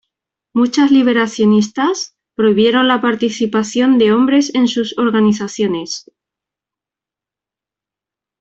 Muchas liberacionistas prohibieron la participación de hombres en sus organizaciones.